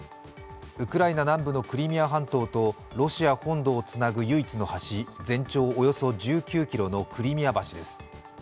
ウクライナ南部のクリミア半島とロシア本土をつなぐ唯一の橋、全長およそ１９ｋｍのクリミア橋です。